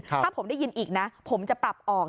ถ้าผมได้ยินอีกนะผมจะปรับออก